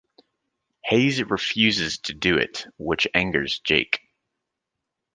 Hayes refuses to do it, which angers Jake.